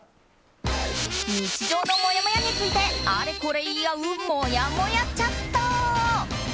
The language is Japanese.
日常のもやもやについてあれこれ言い合うもやもやチャット。